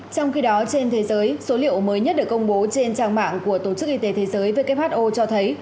trong khi đó trên thế giới số liệu mới nhất được công bố trên trang mạng của tổ chức y tế thế giới who cho thấy